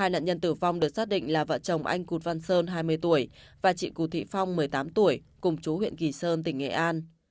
hai nạn nhân tử vong được xác định là vợ chồng anh cụt văn sơn hai mươi tuổi và chị cù thị phong một mươi tám tuổi cùng chú huyện kỳ sơn tỉnh nghệ an